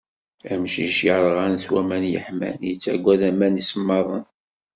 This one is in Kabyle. Amcic yerɣan s waman yeḥman yettaggad aman isemmaden.